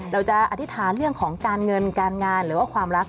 เราจะอธิษฐานเรื่องของการเงินการงานหรือว่าความรัก